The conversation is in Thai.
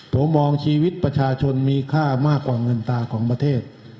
ผมมองชีวิตประชาชนมีค่ามากกว่าเงินตาของประเทศ